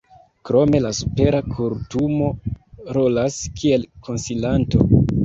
Krome la Supera Kortumo rolas kiel konsilanto.